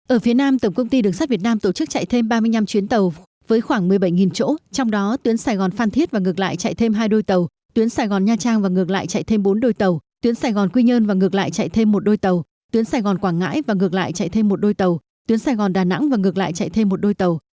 ở phía nam tổng công ty đường sắt việt nam tổ chức chạy thêm ba mươi năm chuyến tàu với khoảng một mươi bảy chỗ trong đó tuyến sài gòn phan thiết và ngược lại chạy thêm hai đôi tàu tuyến sài gòn nha trang và ngược lại chạy thêm bốn đôi tàu tuyến sài gòn quy nhơn và ngược lại chạy thêm một đôi tàu tuyến sài gòn quảng ngãi và ngược lại chạy thêm một đôi tàu tuyến sài gòn đà nẵng và ngược lại chạy thêm một đôi tàu